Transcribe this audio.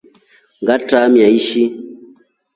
Ngatramia shi.